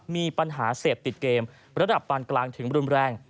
มีปัญหาเสพติดเกมระดับปานกลางถึงรุนแรง